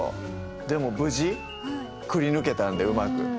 でも無事くりぬけたんでうまく。